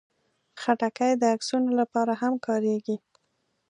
خټکی د عکسونو لپاره هم کارېږي.